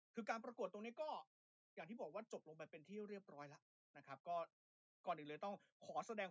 คือการประกวดตรงนี้ก็อย่างที่บอกว่าจบลงไปเป็นที่เรียบร้อยแล้วนะครับก็แน่นอน